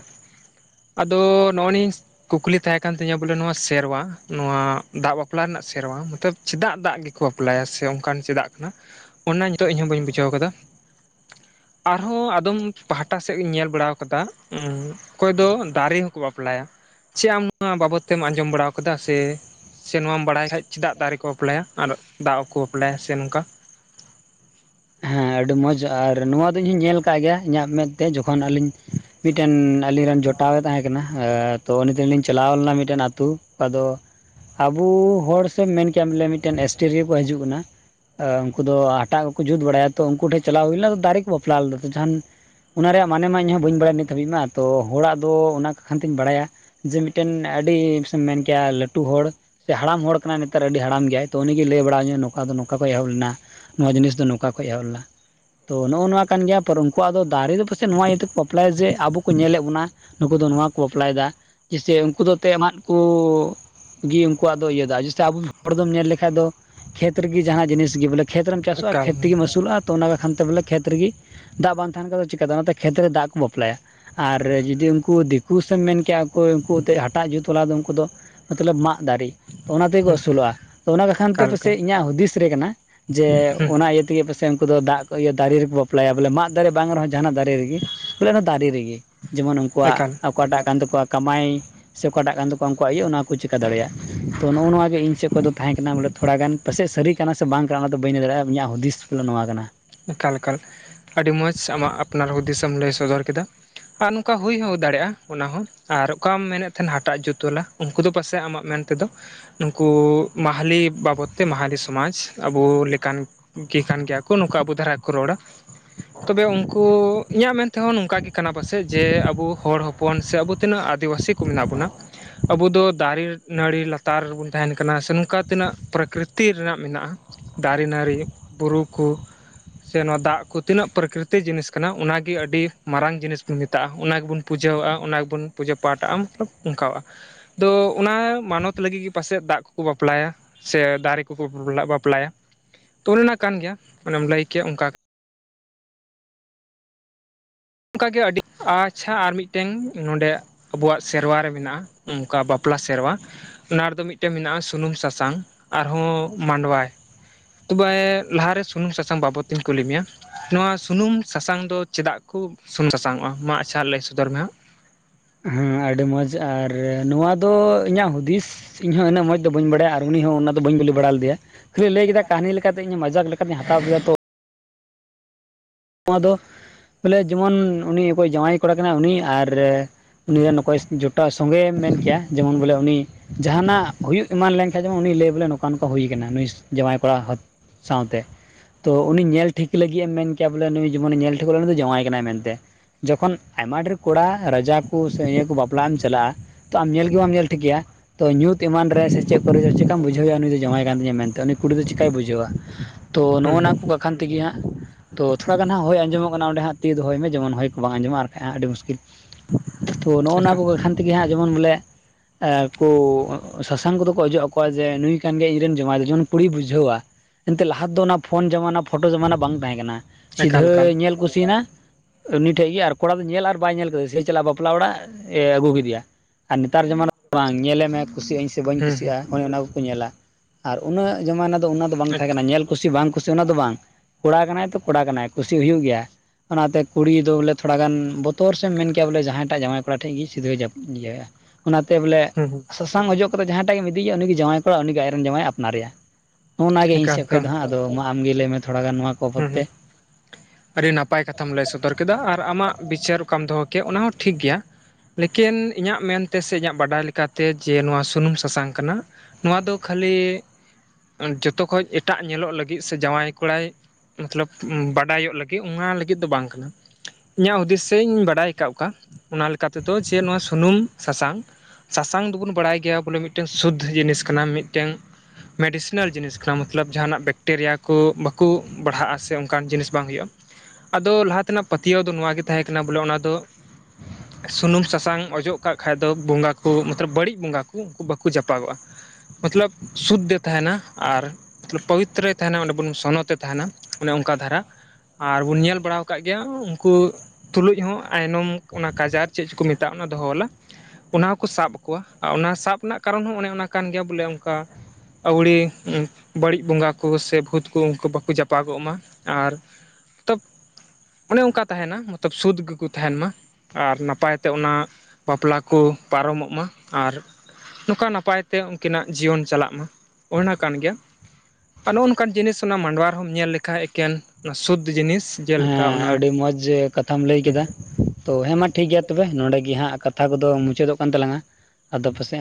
ᱟᱫᱚ ᱱᱚᱜᱼ ᱱᱤᱧᱥ ᱠᱩᱠᱞᱤ ᱛᱟᱦᱮᱸ ᱠᱟᱱᱟ, ᱠᱟᱱ ᱛᱤᱧᱟᱹ ᱵᱚᱞᱮ ᱱᱚᱣᱟ ᱥᱮᱨᱣᱟ ᱱᱚᱣᱟ ᱫᱟᱜ ᱵᱟᱯᱞᱟ ᱨᱮᱱᱟᱜ ᱥᱮᱨᱣᱟ ᱢᱚᱛᱚᱵ ᱪᱮᱫᱟᱜ ᱫᱟᱜ ᱜᱮ ᱠᱚ ᱵᱟᱯᱞᱟᱭᱟ ᱥᱮ ᱚᱱᱠᱟᱱ ᱪᱮᱫᱟᱜ ᱠᱟᱱᱟ᱾ ᱚᱱᱟ ᱱᱤᱛᱚᱜ ᱤᱧ ᱦᱚᱸ ᱵᱟᱹᱧ ᱵᱩᱡᱷᱟᱹᱣ ᱠᱟᱫᱟ, ᱟᱨᱦᱚᱸ ᱟᱫᱚᱢ ᱯᱟᱦᱴᱟ ᱥᱮᱫ ᱤᱧ ᱧᱮᱞ ᱵᱟᱲᱟ ᱟᱠᱟᱫᱟ ᱚᱠᱚᱭ ᱫᱚ ᱫᱟᱨᱮ ᱦᱚᱸᱠᱚ ᱵᱟᱯᱞᱟᱭᱟ᱾ ᱪᱮᱫ ᱟᱢ ᱱᱚᱣᱟ ᱵᱟᱵᱚᱛ ᱛᱮᱢ ᱟᱸᱡᱚᱢ ᱵᱟᱲᱟ ᱟᱠᱟᱫᱟ ᱥᱮ ᱥᱮ ᱱᱚᱣᱟᱢ ᱵᱟᱲᱟᱭ ᱠᱷᱟᱡ ᱪᱮᱫᱟᱜ ᱫᱟᱨᱮ ᱠᱚ ᱵᱟᱯᱞᱟᱭᱟ ᱟᱨ ᱫᱟᱜ ᱦᱚᱸᱠᱚ ᱵᱟᱯᱞᱟᱭᱟ ᱥᱮ ᱱᱚᱝᱠᱟ? ᱦᱮᱸ ᱟᱹᱰᱤ ᱢᱚᱸᱡᱽ ᱟᱨ ᱱᱚᱣᱟ ᱫᱚ ᱤᱧᱦᱚᱸ ᱧᱮᱞ ᱟᱠᱟᱜ ᱜᱮᱭᱟ ᱤᱧᱟᱹᱜ ᱢᱮᱫ ᱛᱮ ᱡᱚᱠᱷᱚᱱ ᱟᱹᱞᱤᱧ ᱢᱤᱫᱴᱮᱱ ᱟᱹᱞᱤᱧ ᱨᱮᱱ ᱡᱚᱴᱟᱣᱮ ᱛᱟᱦᱮᱸ ᱠᱟᱱᱟ, ᱛᱚ ᱩᱱᱤ ᱛᱮ ᱞᱤᱧ ᱪᱟᱞᱟᱣ ᱞᱮᱱᱟ ᱢᱤᱫᱴᱮᱱ ᱟᱹᱛᱩ ᱟᱫᱚ ᱟᱵᱚ ᱦᱚᱲ ᱥᱮ ᱢᱮᱱ ᱠᱮᱟᱢ ᱵᱚᱞᱮᱭᱟ ᱢᱤᱫᱴᱮᱱ ᱮᱥᱴᱮᱨᱤᱭᱟᱹ ᱠᱚ ᱦᱤᱡᱩᱜ ᱠᱟᱱᱟ᱾ ᱮ ᱩᱱᱠᱩ ᱫᱚ ᱦᱟᱴᱟᱜ ᱠᱚᱠᱚ ᱡᱩᱛ ᱵᱟᱲᱟᱭᱟ ᱛᱚ ᱩᱱᱠᱩ ᱴᱷᱮᱡ ᱪᱟᱞᱟᱣ ᱦᱩᱭ ᱞᱮᱱᱟ ᱫᱟᱨᱮ ᱠᱚ ᱵᱟᱯᱞᱟ ᱞᱮᱫᱟ ᱛᱚ ᱡᱟᱦᱟᱱ ᱚᱱᱟ ᱨᱮᱭᱟᱜ ᱢᱟᱱᱮ ᱢᱟ ᱤᱧᱦ ᱵᱟᱹᱧ ᱵᱟᱲᱟᱭᱟ ᱱᱤᱛ ᱫᱷᱟᱹᱵᱤᱡ ᱢᱟ ᱛᱚ ᱦᱚᱲᱟᱜ ᱫᱚ ᱚᱱᱟ ᱠᱷᱟᱱ ᱫᱚ ᱵᱟᱲᱟᱭᱟ᱾ ᱡᱮ ᱢᱤᱫᱴᱮᱱ ᱟᱹᱰᱤ ᱢᱮᱱ ᱠᱮᱭᱟ ᱞᱟᱹᱴᱩ ᱦᱚᱲ ᱥᱮ ᱦᱟᱲᱟᱢ ᱦᱚᱲ ᱠᱟᱱᱟᱭ ᱱᱮᱛᱟᱨ ᱟᱹᱰᱤ ᱦᱟᱲᱟᱢ ᱜᱮᱭᱟᱭ ᱛᱚ ᱩᱱᱤᱜᱭ ᱞᱟᱹᱭ ᱵᱟᱲᱟᱹᱧᱟ ᱱᱚᱝᱠᱟ ᱫᱚ ᱱᱚᱝᱠᱟ ᱠᱷᱚᱱ ᱮᱦᱚᱵ ᱞᱮᱱᱟ ᱱᱚᱣᱟ ᱡᱤᱱᱤᱥ ᱱᱚᱝᱠᱟ ᱠᱷᱚᱱ ᱮᱦᱚᱵ ᱞᱮᱱᱟ᱾ ᱛᱚ ᱱᱚᱜᱼᱚ ᱱᱚᱣᱟ ᱠᱟᱱ ᱜᱮᱭᱟ ᱯᱟᱨ ᱩᱱᱠᱩᱣᱟᱜ ᱫᱚ ᱫᱟᱨᱮ ᱫᱚ ᱯᱟᱥᱮ ᱱᱚᱣᱟ ᱤᱭᱟᱹ ᱛᱮᱠᱚ ᱵᱟᱯᱞᱟᱭᱟ ᱡᱮ ᱟᱵᱚ ᱠᱚ ᱧᱮᱞᱮ ᱵᱚᱱᱟ, ᱱᱩᱠᱩ ᱫᱚ ᱱᱚᱣᱟ ᱠᱚ ᱵᱟᱯᱞᱟᱭ ᱫᱟ ᱡᱮᱭᱥᱮ ᱩᱱᱠᱩ ᱫᱚ ᱮᱱᱛᱜ ᱟᱢᱟᱜ ᱠᱩ ᱜᱤ ᱩᱱᱠᱩᱣᱟᱜ ᱫᱚ ᱤᱭᱟᱹ ᱫᱚ ᱡᱭᱥᱮ ᱟᱵᱚ ᱦᱚᱲ ᱫᱚᱢ ᱧᱮᱞ ᱞᱮᱠᱷᱟᱱᱡ ᱫᱚ ᱠᱷᱮᱛ ᱨᱮᱜᱮ ᱡᱟᱦᱟᱸ ᱡᱤᱱᱤᱥ ᱜᱮ ᱠᱷᱮᱛ ᱨᱮᱱ ᱪᱟᱥᱚᱼᱟ ᱮᱠᱟᱞ ᱛᱩᱞᱩᱜᱼᱟ ᱛᱚ ᱚᱱᱟ ᱠᱟᱠᱷᱟᱱ ᱛᱮ ᱵᱚᱞᱮ ᱠᱷᱮᱛ ᱨᱮᱜᱮ ᱫᱟᱜ ᱵᱟᱝ ᱛᱟᱦᱮᱸᱱ ᱠᱷᱟᱱ ᱫᱚ ᱪᱤᱠᱟᱹᱛᱮ ᱚᱱᱟᱛᱮ ᱠᱷᱮᱛ ᱨᱮ ᱫᱟᱜ ᱠᱚ ᱵᱟᱯᱞᱟᱭᱟ᱾ ᱟᱨ ᱡᱩᱫᱤ ᱩᱱᱠᱩ ᱫᱤᱠᱩ ᱥᱮᱢ ᱢᱮᱱᱠᱮᱜᱼᱟ ᱠᱚ ᱩᱱᱠᱩ ᱮᱛᱮᱫ ᱦᱟᱴᱟᱜ ᱡᱩᱛ ᱵᱟᱞᱟ ᱫᱚ ᱩᱱᱠᱩ ᱫᱚ ᱢᱚᱛᱞᱚᱵᱽ ᱢᱟᱫ ᱫᱟᱨᱮ᱾ ᱛᱚ ᱚᱱᱟ ᱛᱮᱜᱮᱠᱚ ᱟᱹᱥᱩᱞᱚᱜᱼᱟ ᱚᱱᱟ ᱠᱟᱠᱷᱟᱱ ᱛᱮ ᱮᱠᱟᱞ ᱯᱟᱥᱮᱡ ᱮᱠᱟᱞ ᱤᱧᱟᱹᱜ ᱦᱩᱫᱤᱥ ᱨᱮ ᱠᱟᱱᱟ ᱡᱮ ᱚᱱᱟ ᱤᱭᱟᱹ ᱛᱮᱜᱮ ᱯᱟᱥᱮᱡ ᱩᱱᱠᱩ ᱫᱚ ᱫᱟᱜ ᱠᱚ ᱤᱭᱟᱹ ᱫᱟᱨᱮ ᱨᱮᱠᱚ ᱵᱟᱯᱞᱟᱭᱟ ᱵᱚᱞᱮ ᱢᱟᱜ ᱫᱟᱨᱮ ᱵᱟᱝ ᱨᱮᱦᱚᱸ ᱡᱟᱦᱟᱱᱟᱜ ᱫᱟᱨᱮ ᱨᱮᱜᱮ ᱵᱚᱞᱮ ᱚᱱᱟ ᱫᱟᱨᱮ ᱨᱮᱜᱮ ᱡᱮᱢᱚᱱ ᱩᱱᱠᱩᱣᱟᱜ ᱮᱠᱟᱞ ᱚᱠᱟᱴᱟᱜ ᱠᱟᱱ ᱛᱟᱠᱚᱣᱟ ᱠᱟᱢᱟᱭ ᱥᱮ ᱚᱠᱟᱴᱟᱜ ᱠᱟᱱ ᱛᱟᱠᱚᱣᱟ ᱩᱱᱠᱩᱣᱟᱜ ᱤᱭᱟᱹ ᱚᱱᱟ ᱠᱚ ᱪᱤᱠᱟᱹ ᱫᱟᱲᱮᱭᱟᱜᱼᱟ ᱛᱚ ᱱᱚᱜᱼᱚ ᱱᱚ ᱜᱮ ᱤᱧ ᱥᱮᱫ ᱠᱚᱫᱚ ᱛᱟᱦᱮᱸ ᱠᱟᱱᱟ ᱵᱚᱞᱮ᱾ ᱛᱷᱳᱲᱟ ᱜᱟᱱ, ᱯᱟᱥᱮᱡ ᱥᱟᱹᱨᱤ ᱠᱟᱱᱟ ᱥᱮ ᱵᱟᱝ ᱠᱟᱱᱟ ᱚᱱᱟ ᱫᱚ ᱵᱟᱹᱧ ᱞᱟᱹᱭ ᱫᱟᱲᱮᱭᱟᱜᱼᱟ᱾ ᱤᱧᱟᱹᱜ ᱦᱩᱫᱤᱥ ᱯᱟᱞᱮᱜ ᱱᱚᱣᱟ ᱠᱟᱱᱟ᱾ ᱮᱠᱟᱞ ᱮᱠᱟᱞ ᱟᱹᱰᱤ ᱢᱚᱡᱽ, ᱟᱢᱟᱜ ᱟᱯᱱᱟᱨ ᱦᱩᱫᱤᱥᱮᱢ ᱞᱟᱹᱭ ᱥᱚᱫᱚᱨ ᱠᱮᱫᱟ᱾ ᱟᱨ ᱱᱚᱝᱠᱟ ᱦᱩᱭ ᱦᱚᱸ ᱫᱟᱲᱮᱭᱟᱜᱼᱟ ᱚᱱᱟᱦᱚᱸ ᱟᱨ ᱚᱠᱟᱢ ᱢᱮᱱᱮᱫ ᱛᱟᱦᱮᱸᱱᱟ ᱦᱟᱴᱟᱜ ᱡᱩᱛ ᱣᱟᱞᱟ ᱩᱱᱠᱩ ᱫᱚ ᱯᱟᱥᱮᱜ ᱟᱢᱟᱜ ᱢᱮᱱ ᱛᱮᱫᱚ ᱱᱩᱠᱩ ᱢᱟᱦᱟᱞᱤ ᱵᱟᱵᱚᱛ ᱛᱮ ᱢᱟᱦᱟᱞᱤ ᱥᱚᱢᱟᱡᱽ ᱟᱵᱚ ᱞᱮᱠᱟᱱ ᱜᱮ ᱠᱟᱱ ᱜᱮᱭᱟ ᱠᱚ ᱱᱚᱝᱠᱟ ᱟᱵᱚ ᱫᱷᱟᱨᱟ ᱜᱮᱠᱚ ᱨᱚᱲᱟ᱾ ᱛᱚᱵᱮ ᱩᱱᱠᱩ ᱤᱧᱟᱹᱜ ᱢᱮᱱᱛᱮᱦᱚᱸ ᱱᱚᱝᱠᱟᱜᱮ ᱠᱟᱱᱟ ᱯᱟᱥᱮᱜ, ᱡᱮ ᱟᱵᱚ ᱦᱚᱲ ᱦᱚᱯᱚᱱ ᱥᱮ ᱟᱵᱚ ᱛᱤᱱᱟᱹᱜ ᱟᱫᱤᱵᱟᱹᱥᱤ ᱠᱚ ᱢᱮᱱᱟᱜ ᱵᱚᱱᱟ ᱟᱵᱚ ᱫᱚ ᱫᱟᱨᱮ ᱱᱟᱹᱲᱤ ᱞᱟᱛᱟᱨ ᱨᱮᱵᱚᱱ ᱛᱟᱦᱮᱱ ᱠᱟᱱᱟ ᱥᱮ ᱱᱚᱝᱠᱟ ᱛᱤᱱᱟᱹᱜ ᱯᱨᱟᱠᱨᱤᱛᱤ ᱨᱮᱱᱟᱜ ᱢᱮᱱᱟᱜᱼᱟ᱾ ᱫᱟᱨᱮ ᱱᱟᱹᱲᱤ ᱵᱩᱨᱩ ᱠᱚ᱾ ᱥᱮ ᱱᱚᱣᱟ ᱫᱟᱜ ᱠᱚ ᱛᱤᱱᱟᱹᱜ ᱯᱨᱟᱠᱨᱤᱛᱤ ᱡᱤᱱᱤᱥ ᱠᱟᱱᱟ ᱚᱱᱟᱜᱮ ᱟᱹᱰᱤ ᱢᱟᱨᱟᱝ ᱡᱤᱱᱤᱥ ᱵᱚᱱ ᱢᱮᱛᱟᱜᱼᱟ᱾ ᱚᱱᱟ ᱜᱮᱵᱚᱱ ᱯᱩᱡᱟᱹᱣᱟᱜᱼᱟ ᱚᱱᱟ ᱜᱮᱵᱚᱱ ᱯᱩᱡᱟᱹ ᱯᱟᱴᱷᱟᱜᱼᱟ ᱢᱚᱛᱞᱚᱵᱽ ᱚᱱᱠᱟᱣᱼᱟ᱾ ᱫᱚ ᱚᱱᱟ ᱢᱟᱱᱚᱛ ᱞᱟᱹᱜᱤᱫ ᱜᱮ ᱯᱟᱥᱮᱫ ᱫᱟᱜ ᱠᱚᱠᱚ ᱵᱟᱯᱞᱟᱭᱟ᱾ ᱥᱮ ᱫᱟᱨᱮ ᱠᱚᱠᱚ ᱵᱟᱯᱞᱟ ᱵᱟᱯᱞᱟᱭᱟ᱾ ᱛᱩᱞᱱᱟ ᱠᱟᱱ ᱜᱮᱭᱟ ᱚᱱᱮᱢ ᱞᱟᱹᱭ ᱠᱮᱫ ᱚᱱᱠᱟ ᱚᱱᱠᱟ ᱜᱮ ᱟᱹᱰᱤ [inaudible] ᱟᱪᱪᱷᱟ ᱟᱨ ᱢᱤᱫᱴᱟᱹᱝ ᱱᱚᱸᱰᱮ ᱟᱵᱚᱣᱟᱜ ᱥᱮᱨᱣᱟᱨᱮ ᱢᱮᱱᱟᱜᱼᱟ, ᱚᱱᱠᱟ ᱵᱟᱯᱞᱟ ᱥᱮᱨᱣᱟ ᱚᱱᱟ ᱨᱮᱫᱚ ᱢᱤᱫᱴᱟᱹᱝ ᱢᱮᱱᱟᱜᱼᱟ᱾ ᱥᱩᱱᱩᱢ ᱥᱟᱥᱟᱝ ᱟᱨᱦᱚᱸ ᱢᱟᱸᱰᱣᱟᱭ᱾ ᱛᱚᱵᱮᱭ ᱞᱟᱦᱟᱨᱮ ᱥᱩᱱᱩᱢ ᱥᱟᱥᱟᱝ ᱵᱟᱵᱚᱛ ᱛᱤᱧ ᱠᱩᱞᱤ ᱢᱮᱭᱟ᱾ ᱱᱚᱣᱟ ᱥᱩᱱᱩᱢ ᱥᱟᱥᱟᱝ ᱫᱚ ᱪᱮᱫᱟᱜ ᱠᱚ ᱥᱩᱱᱩᱢ ᱥᱟᱥᱟᱝᱚᱜᱼᱟ? ᱢᱟ ᱟᱪᱪᱷᱟ ᱞᱟᱹᱭ ᱥᱚᱫᱚᱨ ᱢᱮ ᱟᱢ᱾ ᱦᱮᱸ ᱟᱹᱰᱤ ᱢᱚᱡᱽ ᱟᱨ ᱱᱚᱣᱟ ᱫᱚ ᱤᱧᱟᱹᱜ ᱦᱩᱫᱤᱥ ᱤᱧᱦᱚᱸ ᱤᱱᱟᱹᱜ ᱢᱚᱡᱽ ᱫᱚ ᱵᱟᱹᱧ ᱵᱟᱲᱟᱭᱟ᱾ ᱟᱨ ᱩᱱᱤ ᱦᱚᱸ ᱚᱱᱟ ᱫᱚ ᱵᱟᱹᱧ ᱠᱩᱞᱤ ᱵᱟᱲᱟ ᱞᱮᱫᱮᱭᱟ ᱠᱷᱟᱹᱞᱤ ᱞᱟᱹᱭ ᱠᱮᱫᱟᱭ ᱠᱟᱹᱦᱱᱤ ᱞᱮᱠᱟᱛᱮ ᱤᱧ ᱢᱟᱡᱟᱠ ᱞᱮᱠᱟᱛᱮ ᱤᱧ ᱦᱟᱛᱟᱣ ᱠᱮᱫᱟ ᱛᱚ᱾ ᱱᱚᱣᱟ ᱫᱚ ᱯᱟᱞᱮᱜ ᱡᱮᱢᱚᱱ ᱩᱱᱤ ᱚᱠᱚᱭ ᱡᱟᱶᱟᱭ ᱠᱚᱲᱟ ᱠᱟᱱᱟᱭ ᱩᱱᱤ ᱟᱨ ᱩᱱᱤ ᱨᱮᱱ ᱚᱠᱚᱭ ᱡᱚᱴᱟᱣ ᱥᱚᱸᱜᱮ ᱮᱢ ᱢᱮᱱ ᱠᱮᱭᱟ, ᱡᱮᱢᱚᱱ ᱵᱚᱞᱮ ᱩᱱᱤ ᱡᱟᱦᱟᱱᱟᱜ ᱦᱩᱭᱩᱜ ᱮᱢᱟᱱ ᱞᱟᱭᱮᱠ ᱪᱮᱫᱟᱜ ᱡᱮᱢᱚᱱ ᱱᱩᱭ ᱞᱟᱹᱭ ᱯᱟᱞᱮ ᱱᱚᱝᱠᱟ ᱱᱚᱝᱠᱟ ᱦᱩᱭ ᱟᱠᱟᱱᱟ ᱱᱩᱭ ᱡᱟᱶᱟᱭ ᱠᱚᱲᱟ ᱦᱟᱹᱛ ᱥᱟᱶᱛᱮ᱾ ᱛᱚ ᱩᱱᱤ ᱧᱮᱞ ᱴᱷᱤᱠ ᱞᱟᱹᱜᱤᱫ ᱮᱢ ᱢᱮᱱ ᱠᱮᱭᱟ᱾ ᱠᱮᱭᱟ ᱵᱚᱞᱮ ᱱᱩᱭ ᱡᱮᱢᱚᱱ ᱮ ᱧᱮᱞ ᱴᱷᱤᱠᱚᱜ ᱠᱟᱱᱟᱭ ᱩᱱᱤ ᱫᱚ ᱡᱟᱶᱟᱭ ᱠᱟᱱᱟᱭ ᱢᱮᱱᱛᱮ᱾ ᱡᱚᱠᱷᱚᱱ ᱟᱭᱢᱟ ᱰᱷᱮᱨ ᱠᱚᱲᱟ ᱨᱟᱡᱟ ᱥᱮ ᱱᱤᱭᱟᱹ ᱠᱚ ᱵᱟᱯᱞᱟᱜ ᱮᱢ ᱪᱟᱞᱟᱜᱼᱟ ᱛᱚ ᱟᱢ ᱧᱮᱞ ᱜᱮ ᱵᱟᱢ ᱧᱮᱞ ᱴᱷᱤᱠᱮᱭᱟ᱾ ᱛᱚ ᱧᱩᱛ ᱮᱢᱟᱱ ᱨᱮ ᱥᱮ ᱪᱮᱫ ᱠᱚᱨᱮ ᱪᱮᱠᱟᱢ ᱵᱩᱡᱷᱟᱹᱣᱮᱭᱟ ᱩᱱᱤ ᱫᱚ ᱡᱟᱶᱟᱭ ᱠᱟᱱ ᱛᱤᱧᱟ ᱢᱮᱱᱛᱮ᱾ ᱩᱱᱤ ᱠᱩᱲᱤ ᱫᱚ ᱪᱤᱠᱟᱹᱭ ᱵᱩᱡᱷᱟᱹᱣᱟ᱾ ᱛᱚ ᱱᱚᱜᱼᱚᱱᱟ ᱦᱩᱸ ᱠᱚ ᱠᱟᱠᱷᱟᱱ ᱛᱮᱜᱮ ᱦᱟᱸᱜ ᱛᱚ ᱛᱷᱳᱲᱟ ᱜᱟᱱ ᱦᱟᱸᱜ ᱦᱚᱭ ᱟᱸᱡᱚᱢᱚᱜ ᱠᱟᱱᱟ ᱚᱸᱰᱮ ᱦᱟᱸᱜ ᱛᱤ ᱫᱚᱦᱚᱭ ᱢᱮ ᱡᱮᱢᱚᱱ ᱦᱚᱭ ᱠᱚ ᱵᱟᱝ ᱟᱸᱡᱚᱢᱚᱜᱼᱟ ᱟᱨ ᱠᱷᱟᱡ ᱦᱟᱸᱜ ᱟᱹᱰᱤ ᱢᱩᱥᱠᱤᱞ᱾ ᱛᱚ ᱱᱚᱜᱼᱚ ᱱᱚᱣᱟ ᱮᱠᱟᱞ ᱠᱚᱜᱮ ᱠᱷᱟᱱ ᱛᱮᱜᱮ ᱦᱟᱸᱜ ᱡᱮᱢᱚᱱ ᱵᱚᱞᱮ ᱟᱹ ᱠᱩ ᱥᱟᱥᱟᱝ ᱠᱚᱫᱚ ᱠᱚ ᱚᱡᱚᱜ ᱟᱠᱚ ᱠᱚᱣᱟ ᱡᱮ ᱱᱩᱭ ᱠᱟᱱ ᱜᱮᱭᱟᱭ ᱤᱧᱨᱮᱱ ᱡᱟᱶᱟᱭ ᱫᱚ, ᱡᱮᱢᱚᱱ ᱠᱩᱲᱤᱭ ᱵᱩᱡᱷᱟᱹᱣᱟ ᱾ ᱮᱱᱛᱮ ᱞᱟᱦᱟ ᱫᱚ ᱚᱱᱟ ᱯᱷᱚᱱ ᱡᱟᱢᱟᱱᱟ ᱯᱷᱚᱴᱚ ᱡᱟᱢᱟᱱᱟ ᱵᱟᱝ ᱛᱟᱦᱮᱸ ᱠᱟᱱᱟ᱾ ᱮᱠᱟᱞ ᱮᱠᱟᱞ ᱥᱤᱫᱷᱟᱹᱭ ᱧᱮᱞ ᱠᱩᱥᱤᱭᱮᱱᱟ ᱩᱱᱤ ᱴᱷᱮᱡ ᱜᱤ ᱟᱨ ᱠᱚᱲᱟ ᱫᱚ ᱧᱮᱞ ᱟᱨ ᱵᱟᱭ ᱧᱮᱞ ᱠᱮᱫᱮ ᱥᱮ ᱪᱟᱞᱟᱜ ᱵᱟᱯᱞᱟ ᱚᱲᱟᱜ, ᱮ ᱟᱹᱜᱩ ᱠᱮᱫᱮᱭᱟ᱾ ᱟᱨ ᱱᱮᱛᱟᱨ ᱡᱟᱢᱟᱱᱟ [inaudible] ᱫᱚ ᱵᱟᱝ, ᱧᱮᱞᱮ ᱢᱮ ᱠᱩᱥᱤ ᱟᱹᱧ ᱥᱮ ᱵᱟᱹᱧ ᱦᱩᱸ ᱦᱩᱸ ᱠᱩᱥᱤᱭᱟᱜᱼᱟ᱾ ᱚᱱᱮ ᱚᱱᱟ ᱠᱚᱠᱚ ᱧᱮᱞᱟ ᱟᱨ ᱩᱱᱟᱹᱜ ᱡᱟᱢᱟᱱᱟ ᱫᱚ ᱚᱱᱟ ᱫᱚ ᱵᱟᱝ ᱛᱟᱦᱮᱸ ᱮᱠᱟᱞ ᱠᱟᱱᱟ ᱧᱮᱞ ᱠᱩᱥᱤ ᱵᱟᱝ ᱠᱩᱥᱤ ᱚᱱᱟ ᱫᱚ ᱵᱟᱝ, ᱠᱚᱲᱟ ᱠᱟᱱᱟᱭ ᱛᱚ ᱠᱚᱲᱟ ᱠᱟᱱᱟᱭ ᱠᱩᱥᱤ ᱦᱩᱭᱩᱜ ᱜᱮᱭᱟ᱾ ᱚᱱᱟᱛᱮ ᱠᱩᱲᱤ ᱫᱚ ᱵᱚᱞᱮ ᱛᱷᱚᱲᱟ ᱜᱟᱱ ᱵᱚᱛᱚᱨ ᱥᱮᱢ ᱢᱮᱱ ᱠᱮᱭᱟ ᱵᱚᱞᱮ ᱡᱟᱦᱟᱸᱭ ᱴᱟᱜ ᱡᱟᱶᱟᱭ ᱠᱚᱲᱟ ᱴᱷᱤᱠ ᱜᱮ ᱥᱤᱫᱷᱟᱹ ᱡᱟᱯᱤᱜ ᱤᱭᱟᱹᱭᱟ᱾ ᱚᱱᱟᱛᱮ ᱵᱚᱞᱮ ᱦᱩᱸ ᱦᱩᱸ ᱥᱟᱹᱥ ᱥᱟᱥᱟᱝ ᱚᱡᱚᱜ ᱠᱟᱛᱮ ᱡᱟᱦᱟᱸᱭᱴᱟᱜ ᱜᱮᱢ ᱤᱫᱤᱮᱭᱟ ᱩᱱᱤ ᱜᱮ ᱡᱟᱶᱟᱭ ᱠᱚᱲᱟ, ᱩᱱᱤᱜᱮ ᱟᱭᱨᱤᱱ ᱡᱟᱶᱟᱭ ᱟᱯᱱᱟᱨᱮᱭᱟᱭ᱾ ᱚᱱᱟ ᱜᱮ ᱤᱧ ᱮᱠᱟᱞ ᱥᱮᱫ ᱠᱦᱚᱡ ᱮᱠᱟᱞ ᱫᱚ ᱦᱟᱸᱜ ᱾ ᱟᱫᱚ ᱢᱟ ᱟᱢᱜᱮ ᱞᱟᱹᱭᱢᱮ ᱛᱷᱚᱲᱟᱜᱟᱱ ᱱᱚᱣᱟ ᱠᱚ ᱵᱟᱵᱚᱛ ᱦᱩᱸ ᱛᱮ ᱦᱩᱸ ᱾ ᱟᱹᱰᱤ ᱱᱟᱯᱟᱭ ᱠᱟᱛᱷᱟᱢ ᱞᱟᱹᱭ ᱥᱚᱫᱚᱨ ᱠᱮᱫᱟ ᱟᱨ ᱟᱢᱟᱜ ᱵᱤᱪᱟᱹᱨ ᱚᱠᱟᱢ ᱫᱚᱦᱚ ᱠᱮᱜᱼᱟ ᱚᱱᱟ ᱦᱚᱸ ᱴᱷᱤᱠ ᱜᱮᱭᱟ ᱾ ᱞᱮᱠᱤᱱ ᱤᱧᱟᱹᱜ ᱢᱮᱱᱛᱮ ᱥᱮ ᱤᱧᱟᱹᱜ ᱵᱟᱰᱟᱭ ᱞᱮᱠᱟᱛᱮ ᱡᱮ ᱱᱚᱣᱟ ᱥᱩᱱᱩᱢ ᱥᱟᱥᱟᱝ ᱠᱟᱱᱟ ᱾ ᱱᱚᱣᱟ ᱫᱚ ᱠᱷᱟᱹᱞᱤ [inaudible] ᱡᱚᱛᱚ ᱠᱷᱚᱡ ᱮᱴᱟᱜ ᱧᱮᱞᱚᱜ ᱞᱟᱹᱜᱤᱫ ᱥᱮ ᱡᱟᱶᱟᱭ ᱠᱚᱲᱟᱭ ᱾ ᱢᱚᱛᱞᱚᱵᱽ ᱵᱟᱰᱟᱭᱚᱜ ᱞᱟᱹᱜᱤᱫ, ᱚᱱᱟ ᱞᱟᱹᱜᱤᱫ ᱫᱚ ᱵᱟᱝ ᱠᱟᱱᱟ ᱾ ᱤᱧᱟᱹᱜ ᱦᱩᱫᱤᱥᱮ ᱤᱧ ᱵᱟᱰᱟᱭ ᱟᱠᱟᱣᱠᱟ᱾ ᱚᱱᱟ ᱞᱮᱠᱟᱛᱮᱫᱚ ᱡᱮ ᱱᱚᱶᱟ ᱥᱩᱱᱩᱢ ᱥᱟᱥᱟᱝ ᱾ ᱥᱟᱥᱟᱝ ᱫᱚᱵᱚᱱ ᱵᱟᱲᱟᱭ ᱜᱮᱭᱟ ᱵᱚᱞᱮ ᱢᱤᱫᱴᱟᱹᱝ ᱥᱩᱫᱽᱫᱷ ᱡᱤᱱᱤᱥ ᱠᱟᱱᱟ ᱢᱤᱫᱴᱟᱹᱝ ᱾ ᱢᱮᱰᱤᱥᱤᱱᱟᱹᱞ ᱡᱤᱱᱤᱥ ᱠᱟᱱᱟ ᱢᱟᱹᱛᱞᱟᱹᱵᱽ ᱡᱟᱦᱱᱟᱜ ᱵᱮᱠᱴᱤᱨᱤᱭᱟ ᱠᱚ ᱵᱟᱠᱚ ᱾ ᱵᱟᱲᱦᱟᱜ-ᱟ ᱥᱮ ᱚᱱᱠᱟᱱ ᱡᱤᱱᱤᱥ ᱵᱟᱝ ᱦᱩᱭᱩᱜᱼᱟ ᱾ ᱟᱫᱚ ᱞᱟᱦᱟ ᱛᱮᱱᱟᱜ ᱯᱟᱹᱛᱭᱟᱹᱣ ᱫᱚ ᱱᱚᱣᱟᱜᱮ ᱛᱟᱦᱮᱸ ᱠᱟᱱᱟ ᱵᱚᱞᱮ ᱚᱱᱟ ᱫᱚ ᱾ ᱥᱩᱱᱩᱢ ᱥᱟᱥᱟᱝ ᱚᱡᱚᱜ ᱠᱟᱜ ᱠᱷᱟᱱᱡ ᱫᱚ ᱵᱚᱸᱜᱟ ᱠᱚ ᱢᱚᱛᱞᱚᱵ ᱵᱟᱹᱲᱤᱡ ᱵᱚᱸᱜᱟ ᱠᱚ ᱩᱱᱴᱩ ᱵᱟᱠᱚ ᱡᱟᱯᱟᱜᱚᱜᱼᱟ ᱾ ᱢᱚᱛᱞᱚᱵ ᱥᱩᱫᱽᱫᱷᱮ ᱛᱟᱦᱮᱱᱟ ᱟᱨ ᱢᱚᱛᱞᱚᱵ ᱯᱚᱵᱤᱛᱨᱚᱭ ᱛᱟᱦᱮᱱᱟ ᱚᱸᱰᱮ ᱵᱚᱱ ᱥᱚᱱᱚᱛᱮ ᱛᱟᱦᱮᱱᱟ ᱚᱱᱮ ᱚᱱᱠᱟ ᱫᱷᱟᱨᱟ ᱟᱨ ᱵᱩᱱ ᱧᱮᱞ ᱵᱟᱲᱟ ᱟᱠᱟᱫ ᱜᱮᱭᱟ ᱩᱱᱠᱩ ᱛᱩᱞᱩᱡ ᱦᱚᱸ ᱟᱭᱱᱚᱢ ᱚᱱᱟ ᱠᱟᱡᱟᱨ ᱪᱮᱫ ᱪᱚᱠᱚ ᱢᱮᱛᱟᱜᱼᱟ ᱚᱱᱟ ᱫᱚᱦᱚᱞᱟ ᱾ ᱚᱱᱟ ᱦᱚᱸᱠᱚ ᱥᱟᱵᱚᱣᱟ ᱟᱨ ᱚᱱᱟ ᱥᱟᱵ ᱨᱮᱱᱟᱜ ᱠᱟᱨᱚᱱ ᱦᱚᱸ ᱚᱱᱮ ᱚᱱᱟ ᱠᱟᱱ ᱜᱮᱭᱟ ᱵᱚᱞᱮ ᱚᱱᱠᱟ ᱾ ᱟᱹᱣᱲᱤ ᱵᱟᱹᱲᱤᱡ ᱵᱚᱸᱜᱟ ᱠᱚ ᱥᱮ ᱵᱷᱩᱛ ᱠᱚ ᱩᱱᱠᱩ ᱵᱟᱠᱚ ᱠᱚ ᱡᱟᱯᱟᱜᱚᱜ ᱢᱟ ᱟᱨ ᱛᱚᱵ ᱚᱱᱮ ᱚᱱᱠᱟ ᱛᱟᱦᱮᱱᱟ ᱢᱚᱛᱞᱚᱵ ᱥᱩᱫᱷ ᱜᱮᱠᱚ ᱛᱟᱦᱮᱱ ᱢᱟ ᱾ ᱟᱨ ᱱᱟᱯᱟᱭ ᱛᱮ ᱚᱱᱟ ᱵᱟᱯᱞᱟ ᱠᱚ ᱯᱟᱨᱚᱢᱚᱜ ᱢᱟ ᱟᱨ ᱱᱚᱝᱠᱟ ᱱᱟᱯ ᱯᱟᱭᱛᱮ ᱩᱱᱠᱤᱱᱟᱜ ᱡᱤᱭᱚᱱ ᱪᱟᱞᱟᱜ ᱢᱟ ᱚᱱᱟ ᱠᱟᱱ ᱜᱮᱭᱟ ᱟᱨ ᱱᱚᱜ ᱱᱚᱝᱠᱟᱱ ᱡᱤᱱᱤᱥ ᱚᱱᱟ ᱢᱟᱰᱣᱟ ᱟᱨᱦᱚᱢ ᱧᱮᱞ ᱞᱮᱠᱷᱟᱡ ᱮᱠᱮᱱ ᱥᱩᱫᱽᱫᱷ ᱡᱤᱱᱤᱥ ᱡᱮᱞ ᱦᱮᱸ ᱟᱹᱰᱤ ᱢᱚᱸᱡᱽ ᱠᱟᱛᱷᱟᱢ ᱞᱟᱹᱭ ᱠᱮᱫᱟ ᱾ ᱛᱚ ᱦᱮᱸ ᱢᱟ ᱴᱷᱤᱠ ᱜᱮᱭᱟ ᱛᱚᱵᱮ ᱱᱚᱰᱮ ᱜᱮ ᱦᱟᱸᱜ ᱠᱟᱛᱷᱟ ᱠᱚᱫᱚ ᱢᱩᱪᱟᱹᱫᱚᱜ ᱠᱟᱱ ᱛᱟᱞᱟᱝᱟ ᱟᱫᱚ ᱯᱟᱥᱮᱡ